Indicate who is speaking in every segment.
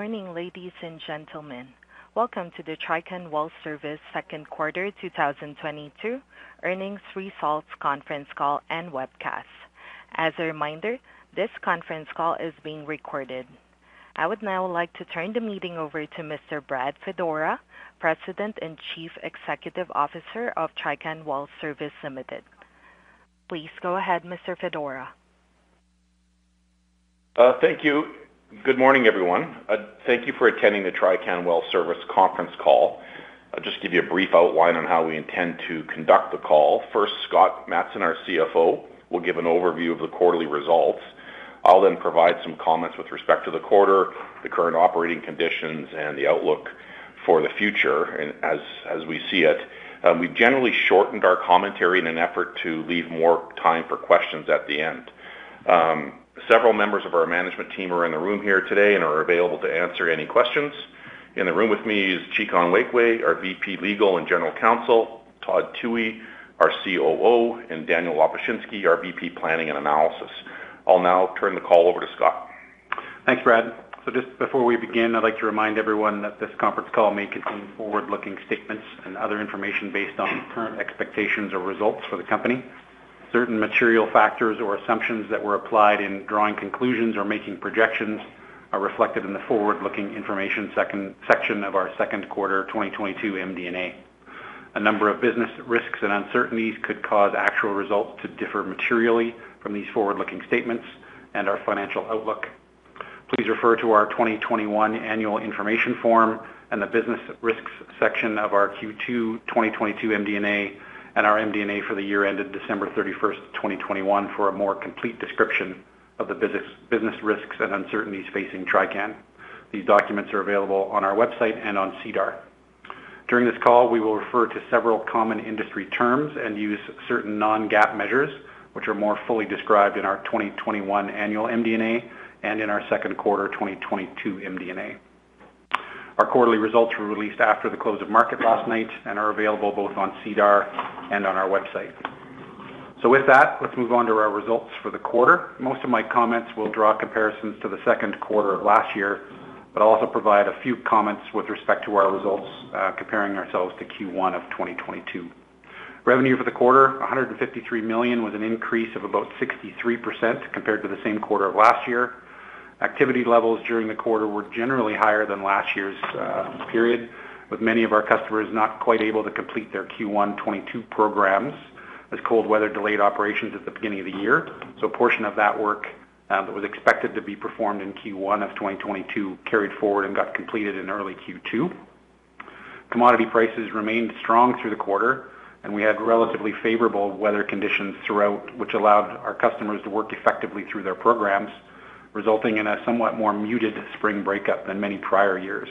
Speaker 1: Good morning, ladies and gentlemen. Welcome to the Trican Well Service second quarter 2022 earnings results conference call and webcast. As a reminder, this conference call is being recorded. I would now like to turn the meeting over to Mr. Brad Fedora, President and Chief Executive Officer of Trican Well Service Ltd. Please go ahead, Mr. Fedora.
Speaker 2: Thank you. Good morning, everyone. Thank you for attending the Trican Well Service conference call. I'll just give you a brief outline on how we intend to conduct the call. First, Scott Matson, our CFO, will give an overview of the quarterly results. I'll then provide some comments with respect to the quarter, the current operating conditions, and the outlook for the future and as we see it. We've generally shortened our commentary in an effort to leave more time for questions at the end. Several members of our management team are in the room here today and are available to answer any questions. In the room with me is Chika Onwuekwe, our VP, Legal and General Counsel, Todd Thue, our COO, and Daniel Lopushinsky, our VP, Planning and Analysis. I'll now turn the call over to Scott.
Speaker 3: Thanks, Brad. Just before we begin, I'd like to remind everyone that this conference call may contain forward-looking statements and other information based on current expectations or results for the company. Certain material factors or assumptions that were applied in drawing conclusions or making projections are reflected in the forward-looking information section of our second quarter 2022 MD&A. A number of business risks and uncertainties could cause actual results to differ materially from these forward-looking statements and our financial outlook. Please refer to our 2021 annual information form and the Business Risks section of our Q2 2022 MD&A and our MD&A for the year ended December 31, 2021 for a more complete description of the business risks and uncertainties facing Trican. These documents are available on our website and on SEDAR. During this call, we will refer to several common industry terms and use certain non-GAAP measures, which are more fully described in our 2021 annual MD&A and in our second quarter 2022 MD&A. Our quarterly results were released after the close of market last night and are available both on SEDAR and on our website. With that, let's move on to our results for the quarter. Most of my comments will draw comparisons to the second quarter of last year, but I'll also provide a few comments with respect to our results, comparing ourselves to Q1 of 2022. Revenue for the quarter, 153 million, was an increase of about 63% compared to the same quarter of last year. Activity levels during the quarter were generally higher than last year's period, with many of our customers not quite able to complete their Q1 2022 programs as cold weather delayed operations at the beginning of the year. A portion of that work that was expected to be performed in Q1 of 2022 carried forward and got completed in early Q2. Commodity prices remained strong through the quarter, and we had relatively favorable weather conditions throughout, which allowed our customers to work effectively through their programs, resulting in a somewhat more muted spring breakup than many prior years.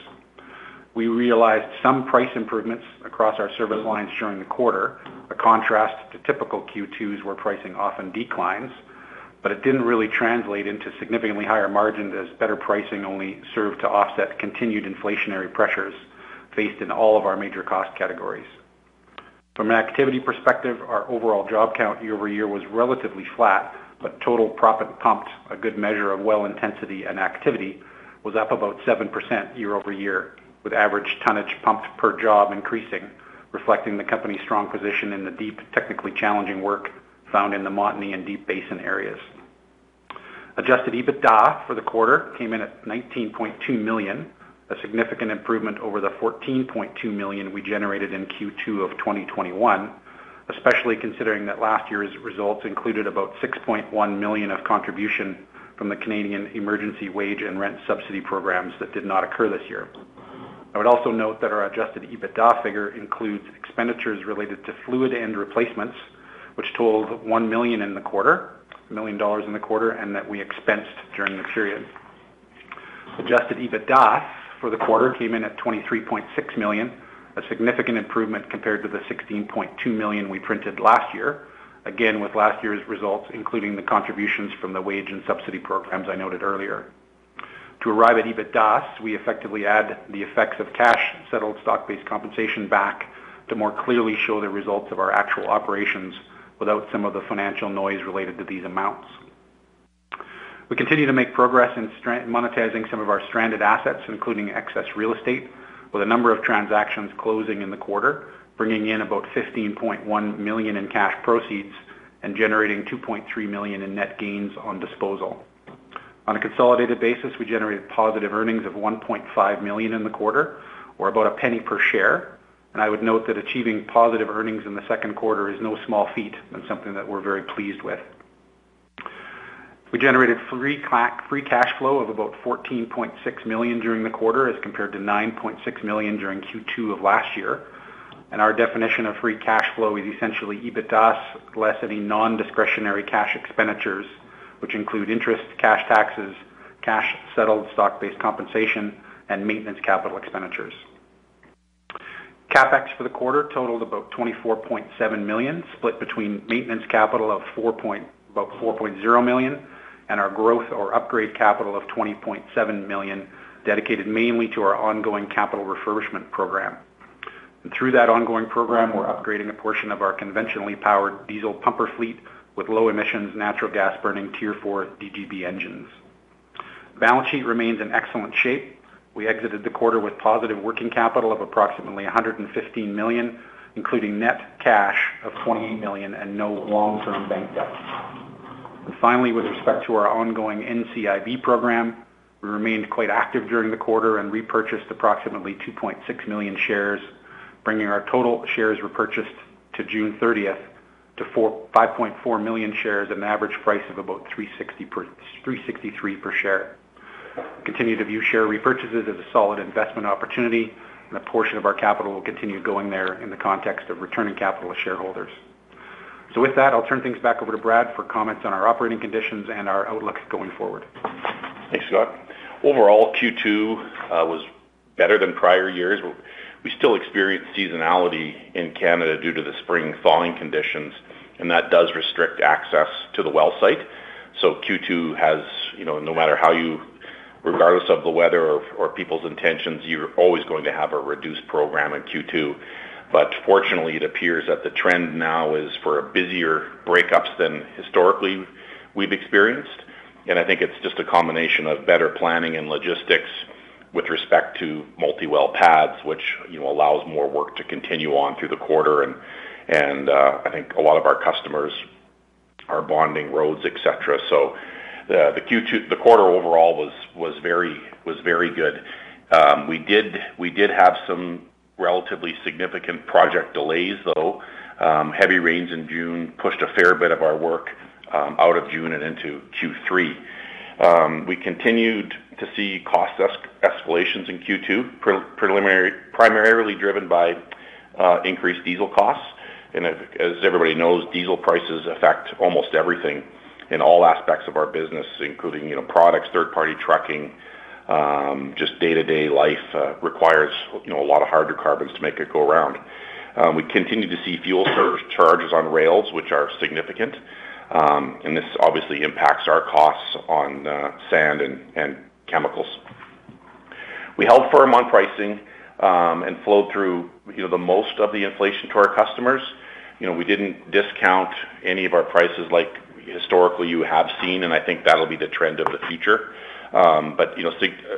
Speaker 3: We realized some price improvements across our service lines during the quarter, a contrast to typical Q2s where pricing often declines, but it didn't really translate into significantly higher margins as better pricing only served to offset continued inflationary pressures faced in all of our major cost categories. From an activity perspective, our overall job count year-over-year was relatively flat, but total proppant pumped, a good measure of well intensity and activity, was up about 7% year-over-year, with average tonnage pumped per job increasing, reflecting the company's strong position in the deep, technically challenging work found in the Montney and Deep Basin areas. Adjusted EBITDA for the quarter came in at 19.2 million, a significant improvement over the 14.2 million we generated in Q2 of 2021, especially considering that last year's results included about 6.1 million of contribution from the Canada Emergency Wage and Rent Subsidy programs that did not occur this year. I would also note that our adjusted EBITDA figure includes expenditures related to fluid end replacements, which totaled 1 million in the quarter, a million dollars in the quarter, and that we expensed during the period. Adjusted EBITDA for the quarter came in at 23.6 million, a significant improvement compared to the 16.2 million we printed last year, again, with last year's results, including the contributions from the wage and subsidy programs I noted earlier. To arrive at EBITDAS, we effectively add the effects of cash-settled stock-based compensation back to more clearly show the results of our actual operations without some of the financial noise related to these amounts. We continue to make progress in monetizing some of our stranded assets, including excess real estate, with a number of transactions closing in the quarter, bringing in about 15.1 million in cash proceeds and generating 2.3 million in net gains on disposal. On a consolidated basis, we generated positive earnings of 1.5 million in the quarter or about $0.01 per share, and I would note that achieving positive earnings in the second quarter is no small feat and something that we're very pleased with. We generated free cash flow of about 14.6 million during the quarter as compared to 9.6 million during Q2 of last year. Our definition of free cash flow is essentially EBITDAS less any non-discretionary cash expenditures, which include interest, cash taxes, cash-settled stock-based compensation, and maintenance capital expenditures. CapEx for the quarter totaled about 24.7 million, split between maintenance capital of about 4.0 million, and our growth or upgrade capital of 20.7 million, dedicated mainly to our ongoing capital refurbishment program. Through that ongoing program, we're upgrading a portion of our conventionally powered diesel pumper fleet with low emissions, natural gas burning Tier 4 DGB engines. Balance sheet remains in excellent shape. We exited the quarter with positive working capital of approximately 115 million, including net cash of 20 million and no long-term bank debt. Finally, with respect to our ongoing NCIB program, we remained quite active during the quarter and repurchased approximately 2.6 million shares, bringing our total shares repurchased to June 30 to 5.4 million shares at an average price of about 363 per share. Continue to view share repurchases as a solid investment opportunity, and a portion of our capital will continue going there in the context of returning capital to shareholders. With that, I'll turn things back over to Brad for comments on our operating conditions and our outlook going forward.
Speaker 2: Thanks, Scott. Overall, Q2 was better than prior years. We still experience seasonality in Canada due to the spring thawing conditions, and that does restrict access to the well site. Q2 has, regardless of the weather or people's intentions, you're always going to have a reduced program in Q2. Fortunately, it appears that the trend now is for busier breakups than historically we've experienced. I think it's just a combination of better planning and logistics with respect to multi-well pads, which, you know, allows more work to continue on through the quarter. I think a lot of our customers are bonding roads, et cetera. The quarter overall was very good. We did have some relatively significant project delays, though. Heavy rains in June pushed a fair bit of our work out of June and into Q3. We continued to see cost escalations in Q2, primarily driven by increased diesel costs. As everybody knows, diesel prices affect almost everything in all aspects of our business, including, you know, products, third-party trucking. Just day-to-day life requires, you know, a lot of hydrocarbons to make it go around. We continue to see fuel surcharges on rails, which are significant. This obviously impacts our costs on sand and chemicals. We held firm on pricing and flowed through, you know, the most of the inflation to our customers. You know, we didn't discount any of our prices like historically you have seen, and I think that'll be the trend of the future.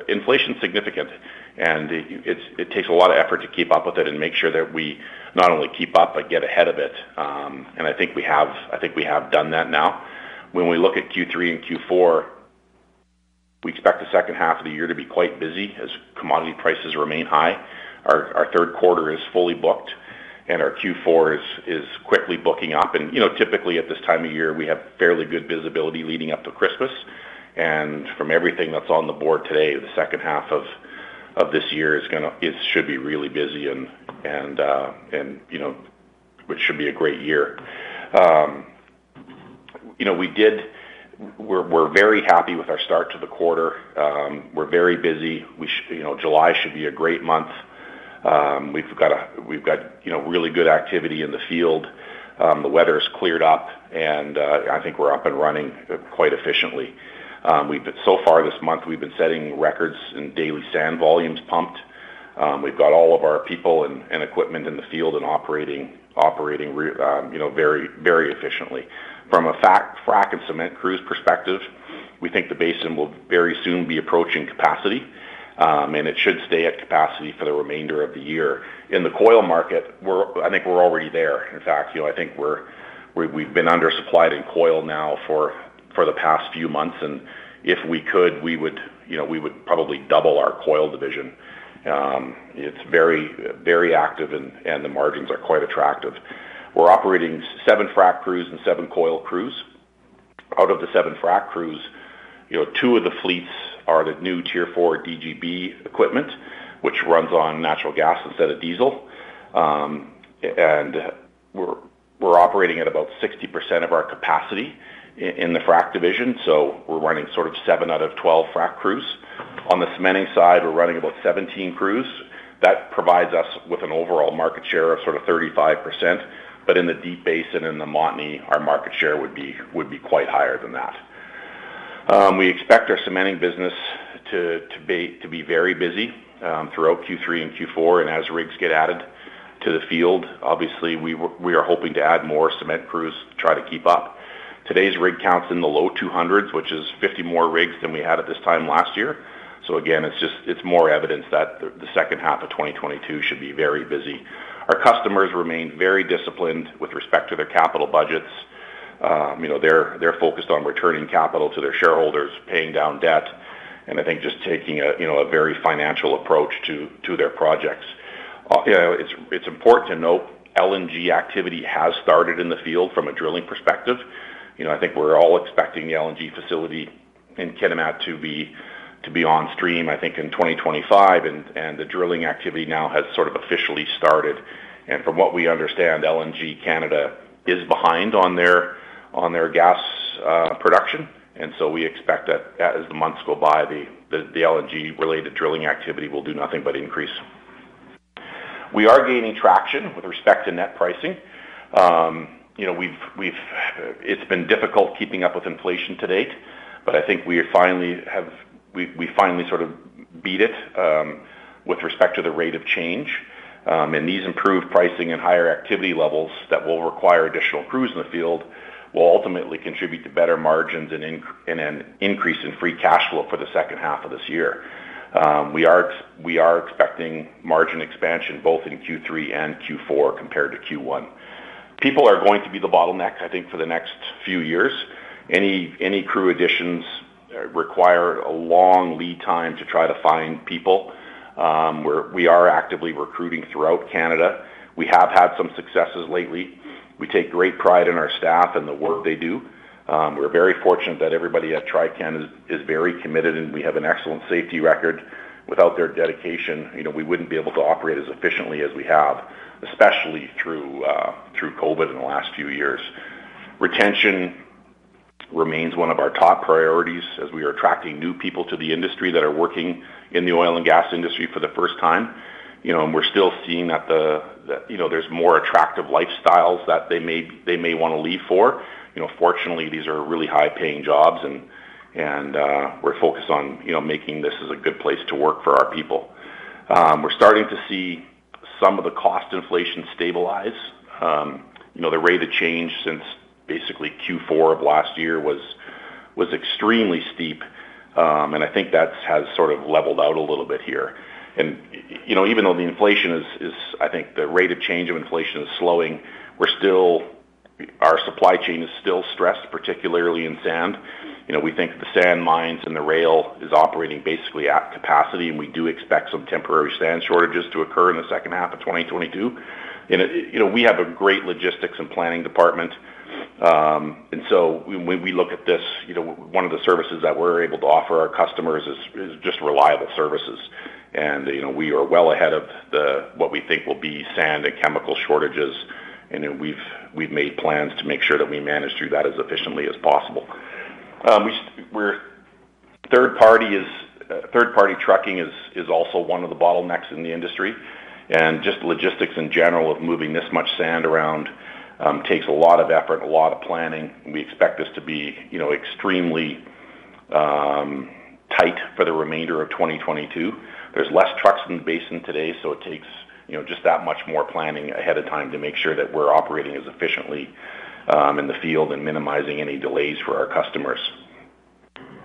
Speaker 2: Inflation's significant, and it takes a lot of effort to keep up with it and make sure that we not only keep up, but get ahead of it. I think we have done that now. When we look at Q3 and Q4, we expect the second half of the year to be quite busy as commodity prices remain high. Our third quarter is fully booked, and our Q4 is quickly booking up. You know, typically, at this time of year, we have fairly good visibility leading up to Christmas. From everything that's on the board today, the second half of this year should be really busy, and you know, it should be a great year. You know, we're very happy with our start to the quarter. We're very busy. You know, July should be a great month. We've got, you know, really good activity in the field. The weather's cleared up, and I think we're up and running quite efficiently. So far this month, we've been setting records in daily sand volumes pumped. We've got all of our people and equipment in the field and operating, you know, very, very efficiently. From a frac and cement crews perspective, we think the basin will very soon be approaching capacity, and it should stay at capacity for the remainder of the year. In the coil market, I think we're already there. In fact, you know, I think we've been undersupplied in coil now for the past few months. If we could, we would, you know, we would probably double our coil division. It's very active and the margins are quite attractive. We're operating 7 frac crews and 7 coil crews. Out of the 7 frac crews, you know, two of the fleets are the new Tier 4 DGB equipment, which runs on natural gas instead of diesel. We're operating at about 60% of our capacity in the frac division, so we're running sort of 7 out of 12 frac crews. On the cementing side, we're running about 17 crews. That provides us with an overall market share of sort of 35%, but in the Deep Basin, in the Montney, our market share would be quite higher than that. We expect our cementing business to be very busy throughout Q3 and Q4. As rigs get added to the field, obviously, we are hoping to add more cement crews to try to keep up. Today's rig count's in the low 200s, which is 50 more rigs than we had at this time last year. It's just more evidence that the second half of 2022 should be very busy. Our customers remain very disciplined with respect to their capital budgets. You know, they're focused on returning capital to their shareholders, paying down debt, and I think just taking a you know, a very financial approach to their projects. You know, it's important to note LNG activity has started in the field from a drilling perspective. You know, I think we're all expecting the LNG facility in Kitimat to be on stream, I think, in 2025, and the drilling activity now has sort of officially started. From what we understand, LNG Canada is behind on their gas production. We expect that as the months go by, the LNG-related drilling activity will do nothing but increase. We are gaining traction with respect to net pricing. You know, we've. It's been difficult keeping up with inflation to date. I think we finally sort of beat it with respect to the rate of change. These improved pricing and higher activity levels that will require additional crews in the field will ultimately contribute to better margins and an increase in free cash flow for the second half of this year. We are expecting margin expansion both in Q3 and Q4 compared to Q1. People are going to be the bottleneck, I think, for the next few years. Any crew additions require a long lead time to try to find people. We are actively recruiting throughout Canada. We have had some successes lately. We take great pride in our staff and the work they do. We're very fortunate that everybody at Trican is very committed, and we have an excellent safety record. Without their dedication, you know, we wouldn't be able to operate as efficiently as we have, especially through COVID in the last few years. Retention remains one of our top priorities as we are attracting new people to the industry that are working in the oil and gas industry for the first time. You know, we're still seeing that there's more attractive lifestyles that they may wanna leave for. You know, fortunately, these are really high-paying jobs and we're focused on making this as a good place to work for our people. We're starting to see some of the cost inflation stabilize. You know, the rate of change since basically Q4 of last year was extremely steep. I think that has sort of leveled out a little bit here. You know, even though the inflation is, I think the rate of change of inflation is slowing, we're still our supply chain is still stressed, particularly in sand. You know, we think the sand mines and the rail is operating basically at capacity, and we do expect some temporary sand shortages to occur in the second half of 2022. You know, we have a great logistics and planning department. When we look at this, you know, one of the services that we're able to offer our customers is just reliable services. You know, we are well ahead of the what we think will be sand and chemical shortages, and then we've made plans to make sure that we manage through that as efficiently as possible. We're third-party trucking is also one of the bottlenecks in the industry. Just logistics in general of moving this much sand around takes a lot of effort, a lot of planning, and we expect this to be, you know, extremely tight for the remainder of 2022. There's less trucks in the basin today, so it takes, you know, just that much more planning ahead of time to make sure that we're operating as efficiently in the field and minimizing any delays for our customers.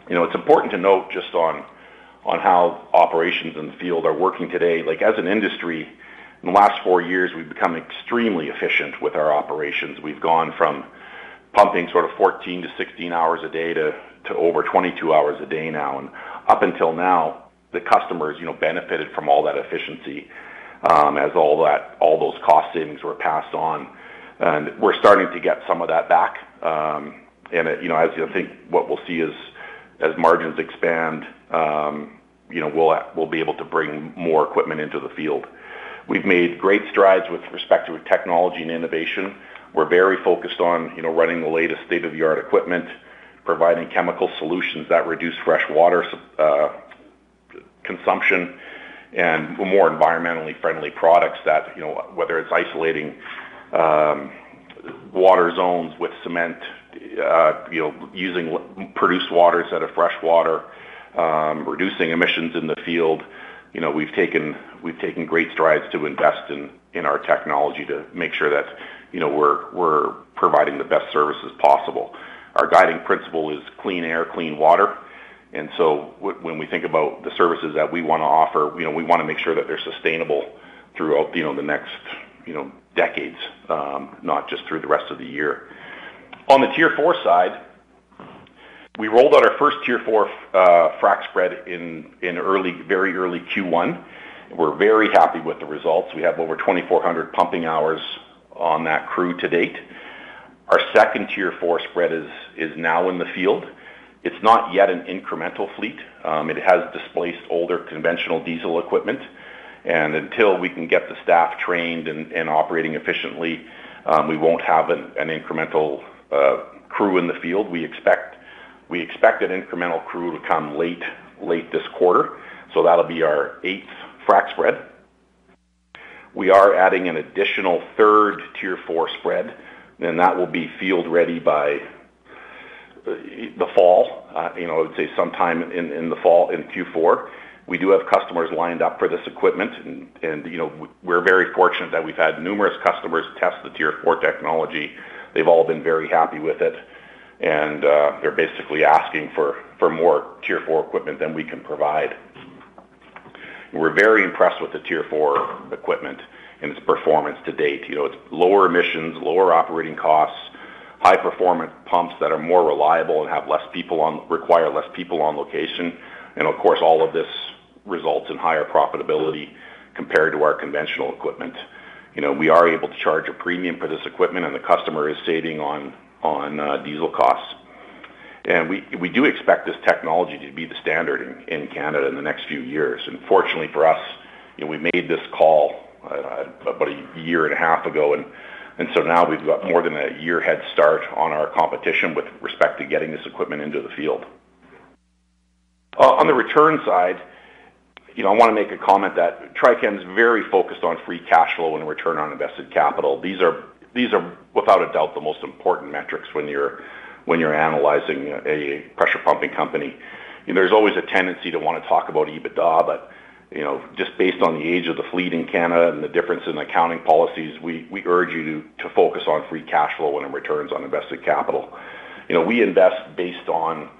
Speaker 2: You know, it's important to note just on how operations in the field are working today. Like, as an industry, in the last four years, we've become extremely efficient with our operations. We've gone from pumping sort of 14 to 16 hours a day to over 22 hours a day now. Up until now, the customers, you know, benefited from all that efficiency, as all those cost savings were passed on. We're starting to get some of that back. You know, as you think what we'll see as margins expand, you know, we'll be able to bring more equipment into the field. We've made great strides with respect to technology and innovation. We're very focused on, you know, running the latest state-of-the-art equipment, providing chemical solutions that reduce fresh water consumption and more environmentally friendly products that, you know, whether it's isolating water zones with cement, using produced water instead of fresh water, reducing emissions in the field. You know, we've taken great strides to invest in our technology to make sure that, you know, we're providing the best services possible. Our guiding principle is clean air, clean water. When we think about the services that we wanna offer, you know, we wanna make sure that they're sustainable throughout, you know, the next, you know, decades, not just through the rest of the year. On the Tier 4 side, we rolled out our first Tier 4 frac spread in very early Q1. We're very happy with the results. We have over 2,400 pumping hours on that crew to date. Our second Tier 4 spread is now in the field. It's not yet an incremental fleet. It has displaced older conventional diesel equipment. Until we can get the staff trained and operating efficiently, we won't have an incremental crew in the field. We expect an incremental crew to come late this quarter, so that'll be our eighth frac spread. We are adding an additional third Tier 4 spread, and that will be field-ready by the fall, you know, I'd say sometime in the fall in Q4. We do have customers lined up for this equipment and, you know, we're very fortunate that we've had numerous customers test the Tier 4 technology. They've all been very happy with it, and they're basically asking for more Tier 4 equipment than we can provide. We're very impressed with the Tier 4 equipment and its performance to date. You know, it's lower emissions, lower operating costs, high-performance pumps that are more reliable and require less people on location. Of course, all of this results in higher profitability compared to our conventional equipment. You know, we are able to charge a premium for this equipment, and the customer is saving on diesel costs. We do expect this technology to be the standard in Canada in the next few years. Fortunately for us, you know, we made this call about a year and a half ago, and so now we've got more than a year head start on our competition with respect to getting this equipment into the field. On the return side, you know, I wanna make a comment that Trican's very focused on free cash flow and return on invested capital. These are without a doubt the most important metrics when you're analyzing a pressure pumping company. There's always a tendency to wanna talk about EBITDA, but, you know, just based on the age of the fleet in Canada and the difference in accounting policies, we urge you to focus on free cash flow and returns on invested capital. You know, we invest based on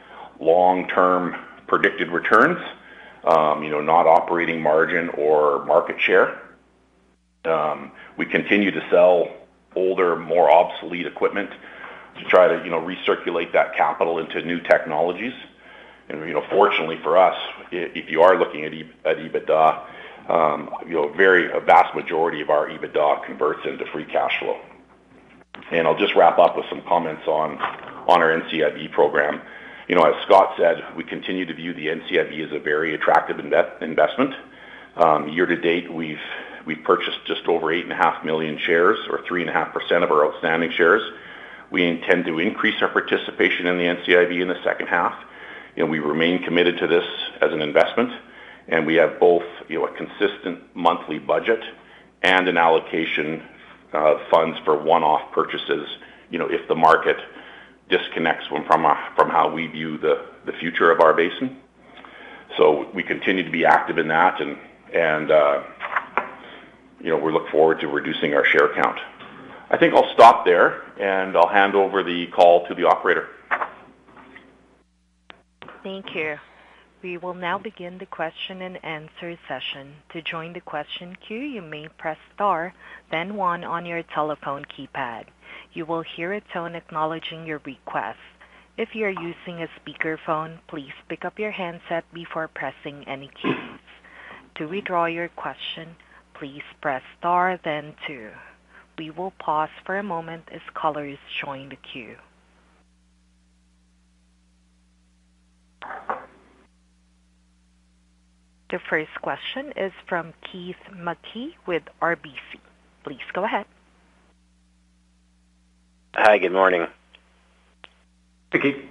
Speaker 2: long-term predicted returns, you know, not operating margin or market share. We continue to sell older, more obsolete equipment to try to, you know, recirculate that capital into new technologies. You know, fortunately for us, if you are looking at EBITDA, you know, a vast majority of our EBITDA converts into free cash flow. I'll just wrap up with some comments on our NCIB program. You know, as Scott said, we continue to view the NCIB as a very attractive investment. Year to date, we've purchased just over 8.5 million shares or 3.5% of our outstanding shares. We intend to increase our participation in the NCIB in the second half, and we remain committed to this as an investment. We have both, you know, a consistent monthly budget and an allocation of funds for one-off purchases, you know, if the market disconnects from how we view the future of our basin. We continue to be active in that and, you know, we look forward to reducing our share count. I think I'll stop there, and I'll hand over the call to the operator.
Speaker 1: Thank you. We will now begin the question-and-answer session. To join the question queue, you may press star then one on your telephone keypad. You will hear a tone acknowledging your request. If you are using a speakerphone, please pick up your handset before pressing any keys. To withdraw your question, please press star then two. We will pause for a moment as callers are joining the queue. The first question is from Keith Mackey with RBC. Please go ahead.
Speaker 4: Hi, good morning.
Speaker 2: Hey, Keith.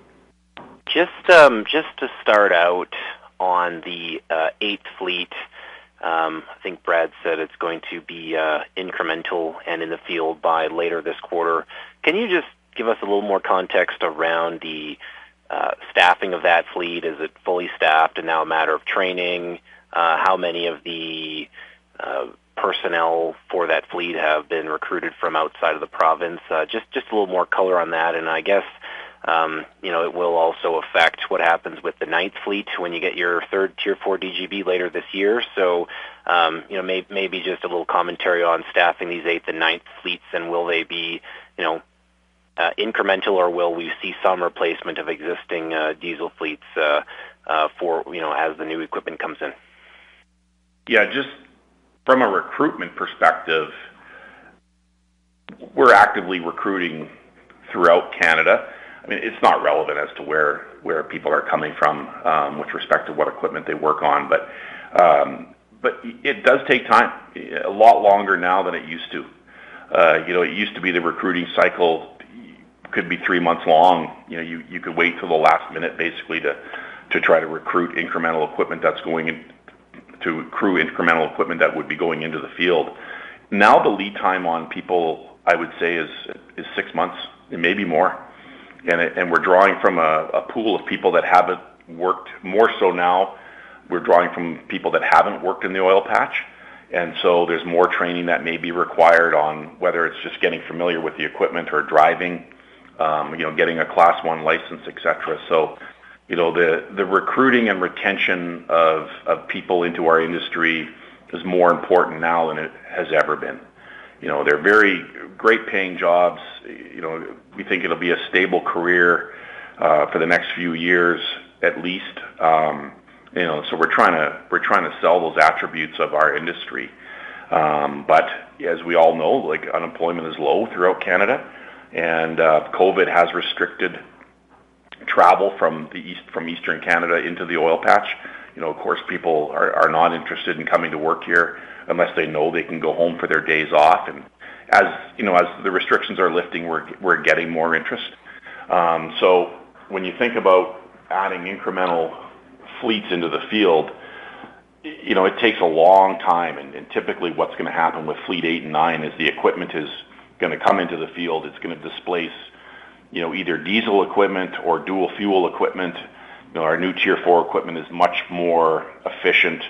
Speaker 4: Just to start out on the eighth fleet, I think Brad said it's going to be incremental and in the field by later this quarter. Can you just give us a little more context around the staffing of that fleet? Is it fully staffed and now a matter of training? How many of the personnel for that fleet have been recruited from outside of the province? Just a little more color on that, and I guess, you know, it will also affect what happens with the ninth fleet when you get your third Tier 4 DGB later this year. Maybe just a little commentary on staffing these eighth and ninth fleets, and will they be, you know, incremental, or will we see some replacement of existing diesel fleets, for, you know, as the new equipment comes in?
Speaker 2: Yeah. Just from a recruitment perspective, we're actively recruiting throughout Canada. I mean, it's not relevant as to where people are coming from with respect to what equipment they work on. It does take time, a lot longer now than it used to. You know, it used to be the recruiting cycle could be 3 months long. You know, you could wait till the last minute basically to crew incremental equipment that would be going into the field. Now, the lead time on people, I would say is 6 months and maybe more. We're drawing from a pool of people that haven't worked more so now. We're drawing from people that haven't worked in the oil patch. There's more training that may be required on whether it's just getting familiar with the equipment or driving, you know, getting a Class 1 license, et cetera. The recruiting and retention of people into our industry is more important now than it has ever been. You know, they're very great paying jobs. You know, we think it'll be a stable career for the next few years, at least. You know, we're trying to sell those attributes of our industry. But as we all know, like, unemployment is low throughout Canada, and COVID has restricted travel from Eastern Canada into the oil patch. You know, of course, people are not interested in coming to work here unless they know they can go home for their days off. As the restrictions are lifting, we're getting more interest. When you think about adding incremental fleets into the field, you know, it takes a long time. Typically, what's gonna happen with fleet 8 and 9 is the equipment is gonna come into the field. It's gonna displace, you know, either diesel equipment or dual fuel equipment. You know, our new Tier 4 equipment is much more efficient,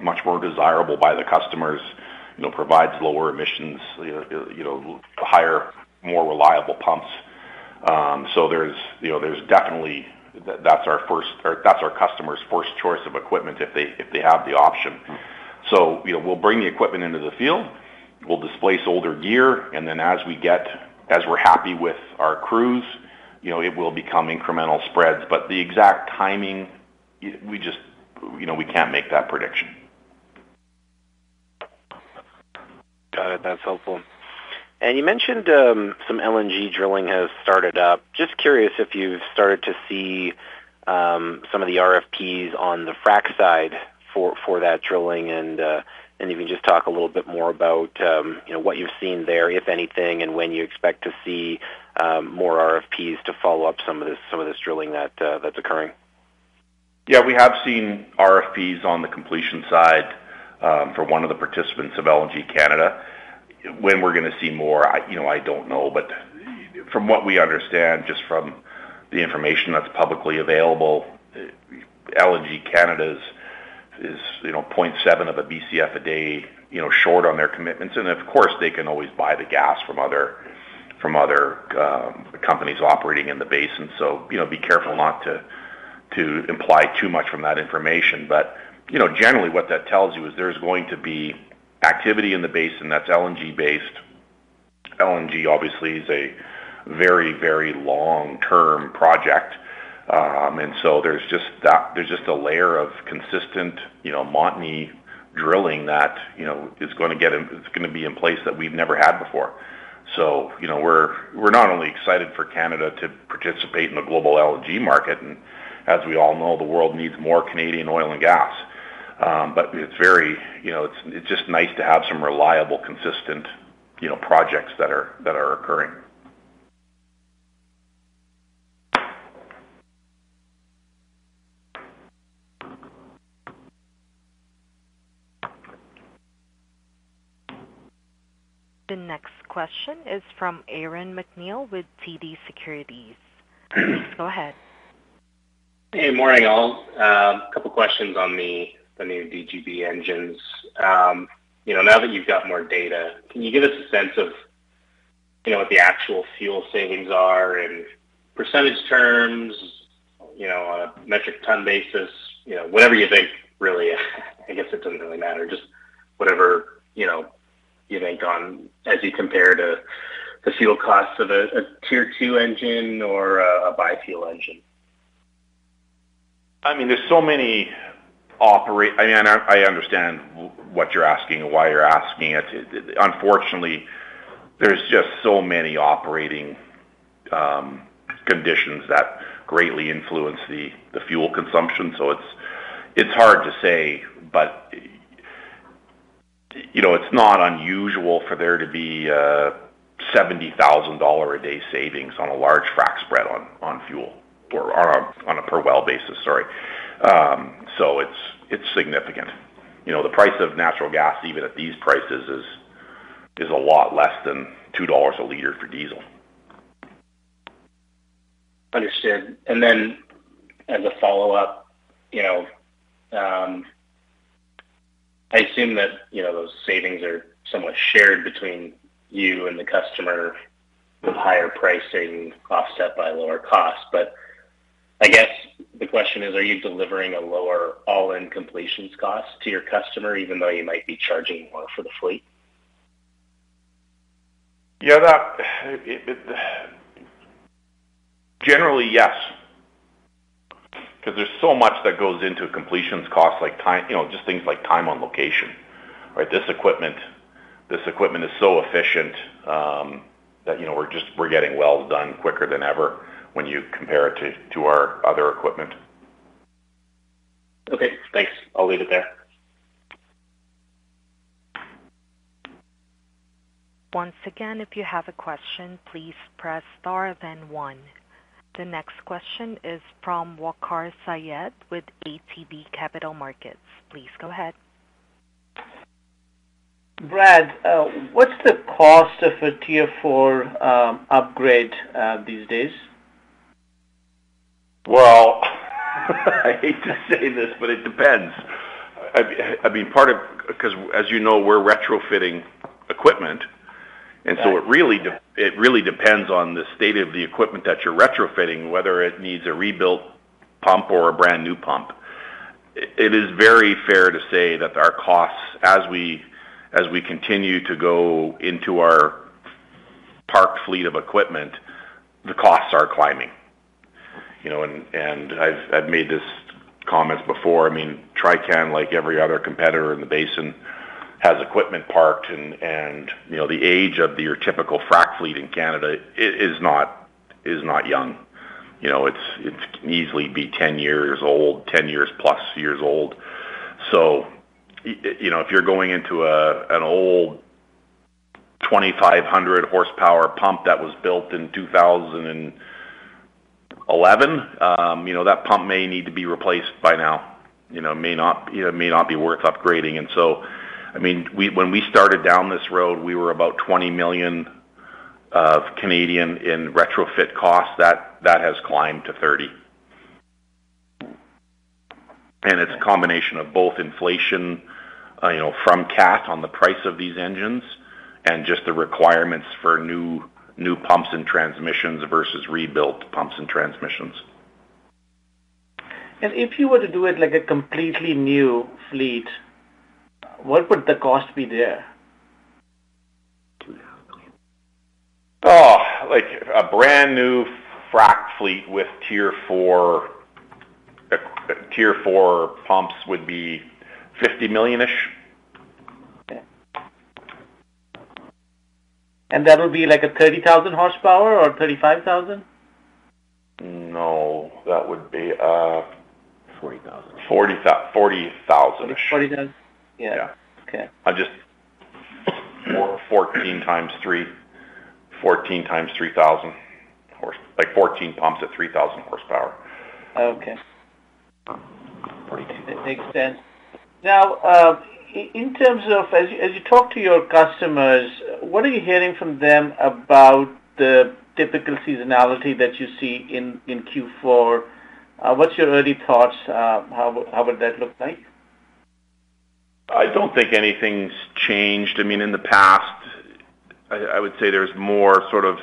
Speaker 2: much more desirable by the customers, you know, provides lower emissions, you know, higher, more reliable pumps. So there's definitely our customer's first choice of equipment if they have the option. You know, we'll bring the equipment into the field. We'll displace older gear. Then as we're happy with our crews, you know, it will become incremental spreads. The exact timing, we just, you know, we can't make that prediction.
Speaker 4: Got it. That's helpful. You mentioned some LNG drilling has started up. Just curious if you've started to see some of the RFPs on the frack side for that drilling. If you can just talk a little bit more about, you know, what you've seen there, if anything, and when you expect to see more RFPs to follow up some of this drilling that's occurring.
Speaker 2: Yeah, we have seen RFPs on the completion side for one of the participants of LNG Canada. When we're gonna see more, you know, I don't know. From what we understand, just from the information that's publicly available, LNG Canada is, you know, 0.7 of a BCF a day, you know, short on their commitments. Of course, they can always buy the gas from other companies operating in the basin. You know, be careful not to imply too much from that information. You know, generally what that tells you is there's going to be activity in the basin that's LNG based. LNG obviously is a very, very long-term project. There's just a layer of consistent, you know, Montney drilling that, you know, is gonna be in place that we've never had before. You know, we're not only excited for Canada to participate in the global LNG market, and as we all know, the world needs more Canadian oil and gas. It's very, you know, it's just nice to have some reliable, consistent, you know, projects that are occurring.
Speaker 1: The next question is from Aaron MacNeil with TD Securities. Please go ahead.
Speaker 5: Hey, morning all. A couple questions on the new DGB engines. You know, now that you've got more data, can you give us a sense of, you know, what the actual fuel savings are in percentage terms, you know, on a metric ton basis? You know, whatever you think really. I guess it doesn't really matter. Just whatever, you know, you think on as you compare to the fuel costs of a Tier 2 engine or a bi-fuel engine.
Speaker 2: I mean, I understand what you're asking and why you're asking it. Unfortunately, there's just so many operating conditions that greatly influence the fuel consumption, so it's hard to say. You know, it's not unusual for there to be a 70,000 dollar a day savings on a large frack spread on fuel or on a per well basis. Sorry. So it's significant. You know, the price of natural gas, even at these prices, is a lot less than 2 dollars a liter for diesel.
Speaker 5: Understood. Then as a follow-up, you know, I assume that, you know, those savings are somewhat shared between you and the customer with higher pricing offset by lower costs. I guess the question is, are you delivering a lower all-in completions cost to your customer, even though you might be charging more for the fleet?
Speaker 2: Generally, yes, 'cause there's so much that goes into completions costs, like time, you know, just things like time on location. Right? This equipment is so efficient that, you know, we're getting wells done quicker than ever when you compare it to our other equipment.
Speaker 5: Okay, thanks. I'll leave it there.
Speaker 1: Once again, if you have a question, please press Star then one. The next question is from Waqar Syed with ATB Capital Markets. Please go ahead.
Speaker 6: Brad, what's the cost of a Tier 4 upgrade these days?
Speaker 2: Well, I hate to say this, but it depends. I mean, 'cause as you know, we're retrofitting equipment.
Speaker 6: Right.
Speaker 2: It really depends on the state of the equipment that you're retrofitting, whether it needs a rebuilt pump or a brand-new pump. It is very fair to say that our costs, as we continue to go into our parked fleet of equipment, the costs are climbing. You know, and I've made this comment before. I mean, Trican, like every other competitor in the basin, has equipment parked and, you know, the age of your typical frack fleet in Canada is not young. You know, it can easily be 10 years old, 10 years plus years old. You know, if you're going into an old 2,500 horsepower pump that was built in 2011, you know, that pump may need to be replaced by now. You know, it may not be worth upgrading. I mean, when we started down this road, we were about 20 million in retrofit costs. That has climbed to 30 million. It's a combination of both inflation, you know, from Caterpillar on the price of these engines and just the requirements for new pumps and transmissions versus rebuilt pumps and transmissions.
Speaker 6: If you were to do it like a completely new fleet, what would the cost be there?
Speaker 2: Like a brand-new frack fleet with Tier 4, Tier 4 pumps would be 50 million-ish.
Speaker 6: Okay. That'll be like a 30,000 horsepower or 35,000 horsepower?
Speaker 2: No, that would be.
Speaker 3: 40,000. 40,000-ish.
Speaker 6: 40,000?
Speaker 2: Yeah.
Speaker 6: Yeah. Okay.
Speaker 2: 14 times 3,000 horsepower, like 14 pumps at 3,000 horsepower.
Speaker 6: Okay.
Speaker 2: Forty-two.
Speaker 6: That makes sense. Now, in terms of as you talk to your customers, what are you hearing from them about the typical seasonality that you see in Q4? What's your early thoughts? How would that look like?
Speaker 2: I don't think anything's changed. I mean, in the past, I would say there's more sort of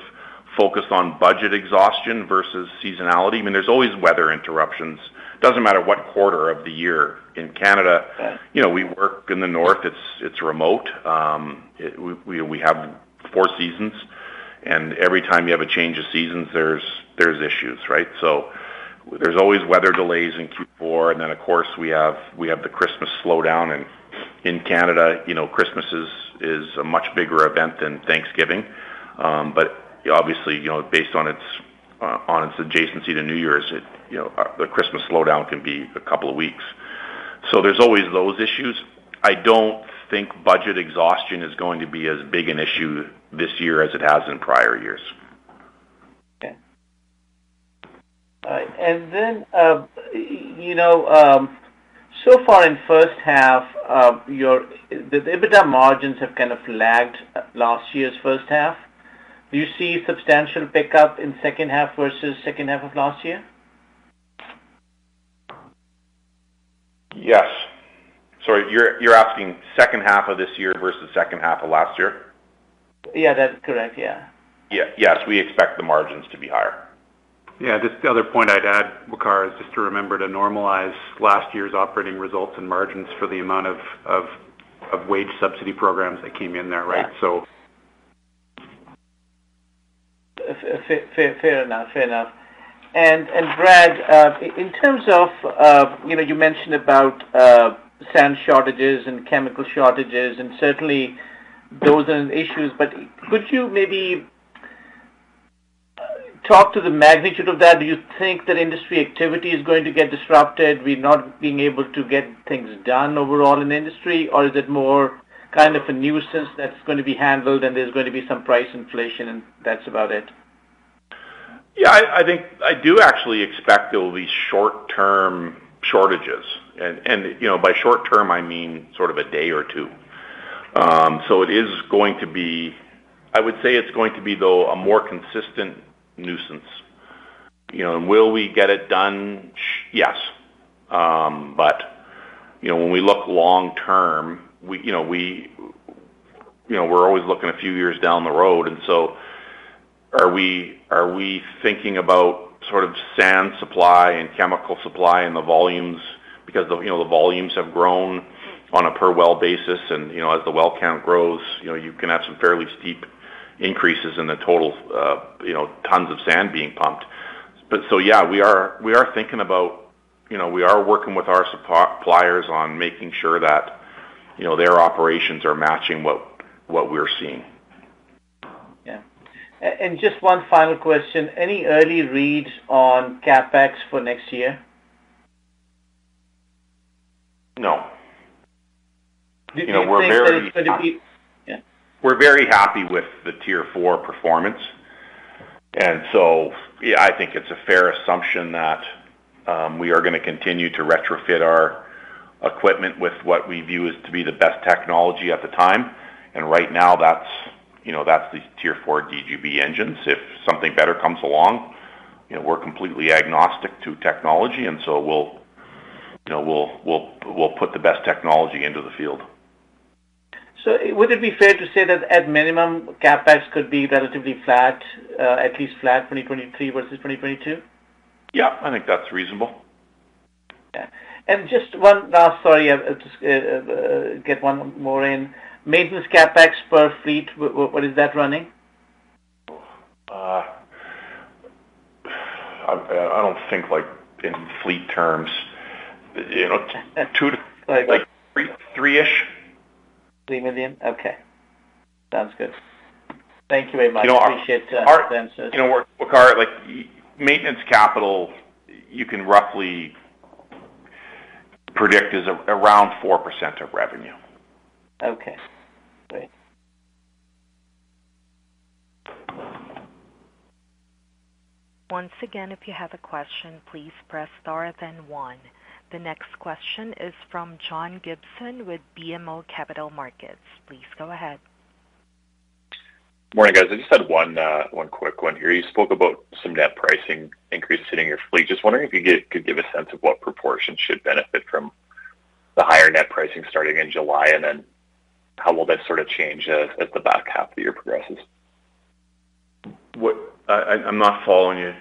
Speaker 2: focus on budget exhaustion versus seasonality. I mean, there's always weather interruptions. It doesn't matter what quarter of the year. In Canada.
Speaker 6: Yeah.
Speaker 2: You know, we work in the north, it's remote. We have four seasons, and every time you have a change of seasons, there's issues, right? There's always weather delays in Q4. Then, of course, we have the Christmas slowdown. In Canada, you know, Christmas is a much bigger event than Thanksgiving. But obviously, you know, based on its adjacency to New Year's, you know, the Christmas slowdown can be a couple of weeks. There's always those issues. I don't think budget exhaustion is going to be as big an issue this year as it has in prior years.
Speaker 6: You know, so far in first half, the EBITDA margins have kind of lagged last year's first half. Do you see substantial pickup in second half versus second half of last year?
Speaker 2: Yes. Sorry, you're asking second half of this year versus second half of last year?
Speaker 6: Yeah, that's correct. Yeah.
Speaker 2: Yeah. Yes, we expect the margins to be higher.
Speaker 3: Yeah. Just the other point I'd add, Waqar, is just to remember to normalize last year's operating results and margins for the amount of wage subsidy programs that came in there, right?
Speaker 6: Yeah.
Speaker 3: So...
Speaker 6: Fair enough. Brad, in terms of, you know, you mentioned about, sand shortages and chemical shortages, and certainly those are issues. Could you maybe talk to the magnitude of that? Do you think that industry activity is going to get disrupted with not being able to get things done overall in industry? Is it more kind of a nuisance that's gonna be handled, and there's gonna be some price inflation, and that's about it?
Speaker 2: Yeah, I think I do actually expect there will be short-term shortages and you know, by short term, I mean sort of a day or two. It is going to be. I would say it's going to be, though, a more consistent nuisance. You know, will we get it done? Yes. You know, when we look long term, you know, we're always looking a few years down the road. Are we thinking about sort of sand supply and chemical supply and the volumes because you know, the volumes have grown on a per well basis? You know, as the well count grows, you know, you can have some fairly steep increases in the total tons of sand being pumped. Yeah, we are thinking about, you know, we are working with our suppliers on making sure that, you know, their operations are matching what we're seeing.
Speaker 6: Yeah. Just one final question. Any early reads on CapEx for next year?
Speaker 2: No. You know, we're very.
Speaker 6: Do you think that it's gonna be? Yeah.
Speaker 2: We're very happy with the Tier 4 performance. Yeah, I think it's a fair assumption that we are gonna continue to retrofit our equipment with what we view is to be the best technology at the time. Right now, that's, you know, that's the Tier 4 DGB engines. If something better comes along, you know, we're completely agnostic to technology and so we'll, you know, put the best technology into the field.
Speaker 6: Would it be fair to say that at minimum, CapEx could be relatively flat, at least flat 2023 versus 2022?
Speaker 2: Yeah, I think that's reasonable.
Speaker 6: Yeah. Sorry, just get one more in. Maintenance CapEx per fleet, what is that running?
Speaker 2: I don't think like in fleet terms. You know, like three-ish.
Speaker 6: 3 million? Okay. Sounds good. Thank you very much.
Speaker 2: You know.
Speaker 6: Appreciate the answers.
Speaker 2: You know what, Waqar, like maintenance capital, you can roughly predict is around 4% of revenue.
Speaker 6: Okay, great.
Speaker 1: Once again, if you have a question, please press star then one. The next question is from John Gibson with BMO Capital Markets. Please go ahead.
Speaker 7: Morning, guys. I just had one quick one here. You spoke about some net pricing increases hitting your fleet. Just wondering if you could give a sense of what proportion should benefit from the higher net pricing starting in July, and then how will that sort of change as the back half of the year progresses?
Speaker 2: I'm not following you,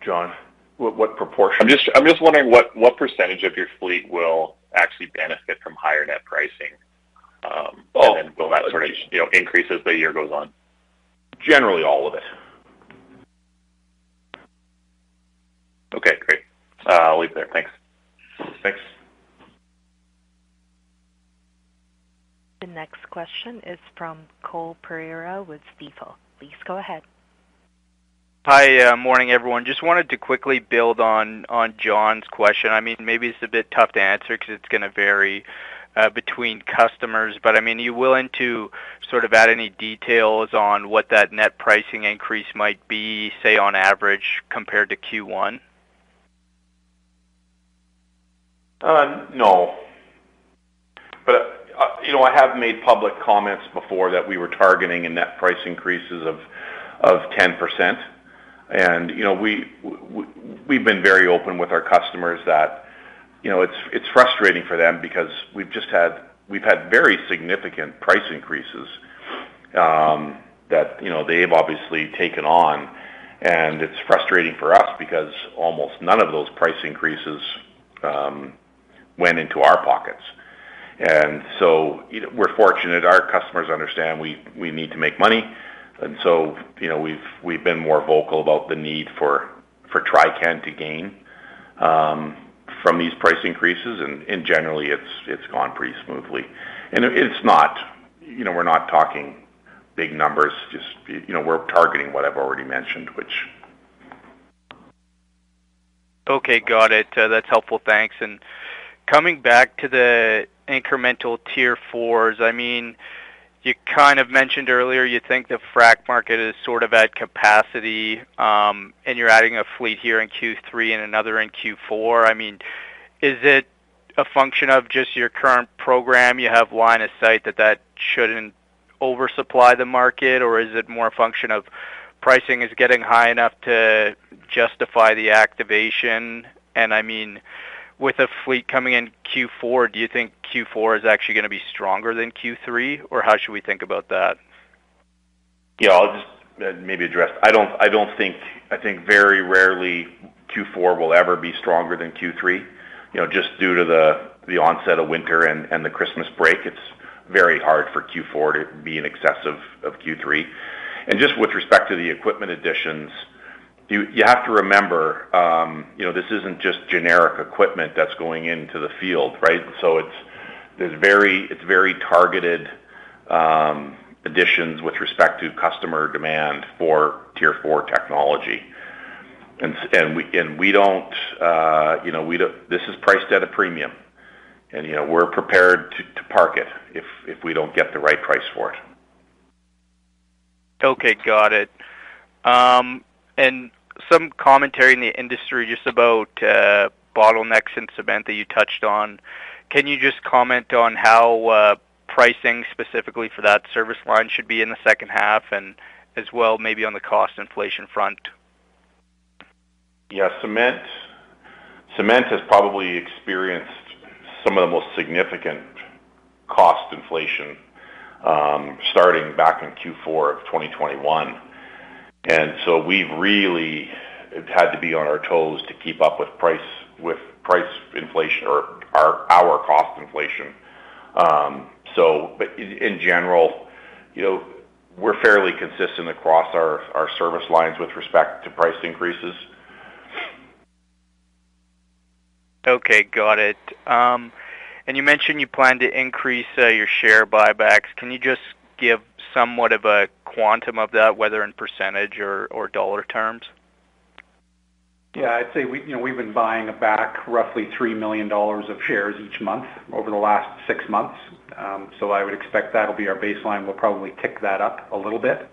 Speaker 2: John. What proportion?
Speaker 7: I'm just wondering what percentage of your fleet will actually benefit from higher net pricing? Will that sort of, you know, increase as the year goes on?
Speaker 2: Generally, all of it.
Speaker 7: Okay, great. I'll leave it there. Thanks.
Speaker 2: Thanks.
Speaker 1: The next question is from Cole Pereira with Stifel. Please go ahead.
Speaker 8: Hi, morning, everyone. Just wanted to quickly build on John's question. I mean, maybe it's a bit tough to answer 'cause it's gonna vary between customers, but, I mean, are you willing to sort of add any details on what that net pricing increase might be, say, on average compared to Q1?
Speaker 2: No. You know, I have made public comments before that we were targeting a net price increases of 10%. You know, we've been very open with our customers that you know, it's frustrating for them because we've had very significant price increases that they've obviously taken on. It's frustrating for us because almost none of those price increases went into our pockets. You know, we're fortunate our customers understand we need to make money. You know, we've been more vocal about the need for Trican to gain from these price increases, and generally, it's gone pretty smoothly. It's not. You know, we're not talking big numbers. Just, you know, we're targeting what I've already mentioned, which.
Speaker 8: Okay, got it. That's helpful. Thanks. Coming back to the incremental Tier 4s, I mean, you kind of mentioned earlier you think the frack market is sort of at capacity, and you're adding a fleet here in Q3 and another in Q4. I mean, is it a function of just your current program you have line of sight that that shouldn't oversupply the market, or is it more a function of pricing is getting high enough to justify the activation? I mean, with a fleet coming in Q4, do you think Q4 is actually gonna be stronger than Q3, or how should we think about that?
Speaker 2: Yeah, I'll just maybe address. I think very rarely Q4 will ever be stronger than Q3. You know, just due to the onset of winter and the Christmas break, it's very hard for Q4 to be in excess of Q3. Just with respect to the equipment additions, you have to remember, you know, this isn't just generic equipment that's going into the field, right? It's very targeted additions with respect to customer demand for Tier 4 technology. We don't, you know, this is priced at a premium. You know, we're prepared to park it if we don't get the right price for it.
Speaker 8: Okay, got it. Some commentary in the industry just about bottlenecks in cement that you touched on. Can you just comment on how pricing specifically for that service line should be in the second half and as well maybe on the cost inflation front?
Speaker 2: Yeah, cement. Cement has probably experienced some of the most significant cost inflation, starting back in Q4 of 2021. We've really had to be on our toes to keep up with price inflation or our cost inflation. But in general, you know, we're fairly consistent across our service lines with respect to price increases.
Speaker 8: Okay, got it. You mentioned you plan to increase your share buybacks. Can you just give somewhat of a quantum of that, whether in percentage or dollar terms?
Speaker 3: Yeah. I'd say we, you know, we've been buying back roughly 3 million dollars of shares each month over the last six months. I would expect that'll be our baseline. We'll probably tick that up a little bit.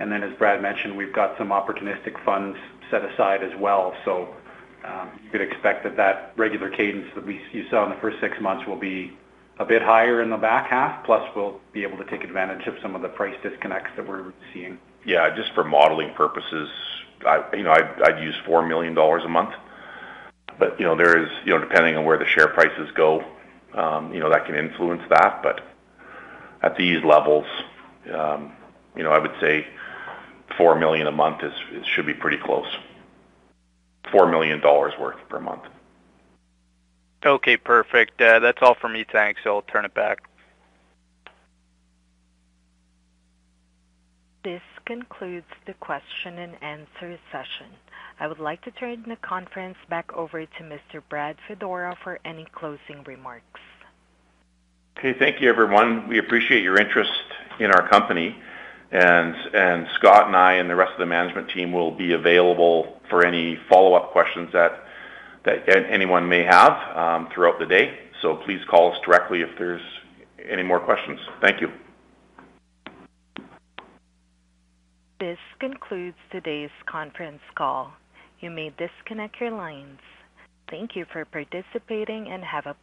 Speaker 3: And then as Brad mentioned, we've got some opportunistic funds set aside as well. You could expect that regular cadence that you saw in the first six months will be a bit higher in the back half, plus we'll be able to take advantage of some of the price disconnects that we're seeing.
Speaker 2: Yeah, just for modeling purposes, you know, I'd use 4 million dollars a month. You know, there is you know, depending on where the share prices go, you know, that can influence that. At these levels, you know, I would say 4 million a month is should be pretty close. 4 million dollars worth per month.
Speaker 8: Okay, perfect. That's all for me. Thanks. I'll turn it back.
Speaker 1: This concludes the question and answer session. I would like to turn the conference back over to Mr. Brad Fedora for any closing remarks.
Speaker 2: Okay, thank you, everyone. We appreciate your interest in our company. Scott and I and the rest of the management team will be available for any follow-up questions that anyone may have throughout the day. Please call us directly if there's any more questions. Thank you.
Speaker 1: This concludes today's conference call. You may disconnect your lines. Thank you for participating, and have a great day.